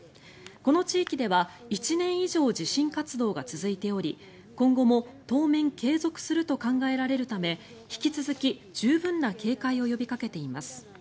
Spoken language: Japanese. この地域では１年以上地震活動が続いており今後も当面継続すると考えられるため引き続き十分な警戒を呼びかけています。